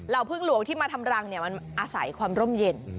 พึ่งหลวงที่มาทำรังมันอาศัยความร่มเย็น